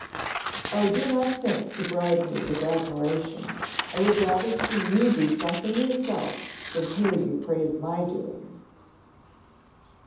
"Oh, do not think to bribe me with admiration; I would rather see you do something yourself than hear you praise my doings."